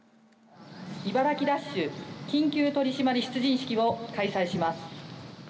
茨城ダッシュ緊急取り締まり出陣式を開催します。